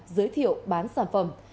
giới thiệu bán sản phẩm